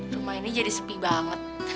rumah ini jadi sepi banget